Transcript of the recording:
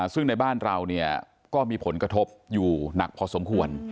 ซึ่งในบ้านเราก็มีผลกระทบอยู่หนักพอสมควร